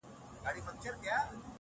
دوه جواله یې پر اوښ وه را بارکړي!!